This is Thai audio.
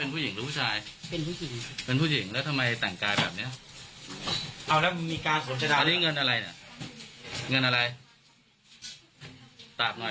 เป็นพระหรือเปล่าเป็นผู้หญิงหรือเป็นผู้ชายไม่ท่านเป็นผู้หญิงหรือผู้ชาย